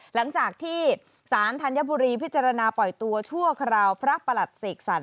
หลังจากที่สารธัญบุรีพิจารณาปล่อยตัวชั่วคราวพระประหลัดเสกสรร